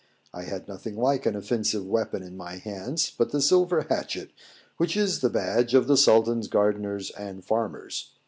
I had nothing like an offensive weapon in my hands but the silver hatchet, which is the badge of the Sultan's gardeners and farmers.